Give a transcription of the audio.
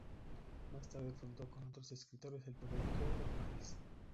Más tarde fundó con otros escritores el periódico "El País".